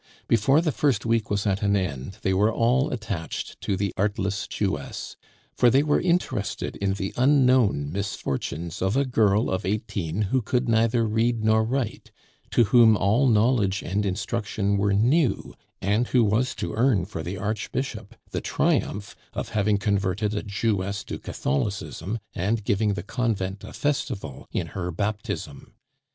Before the first week was at an end they were all attached to the artless Jewess, for they were interested in the unknown misfortunes of a girl of eighteen who could neither read nor write, to whom all knowledge and instruction were new, and who was to earn for the Archbishop the triumph of having converted a Jewess to Catholicism and giving the convent a festival in her baptism.